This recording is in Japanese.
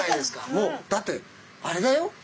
もうだってあれだよ。